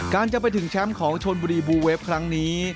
จะไปถึงแชมป์ของชนบุรีบูเวฟครั้งนี้